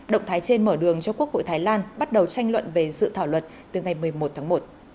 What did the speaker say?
động thái trên mở đường cho quốc hội thái lan bắt đầu tranh luận về dự thảo luật từ ngày một mươi một tháng một